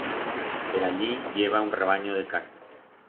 Per allí i heba un rabanyo de casas.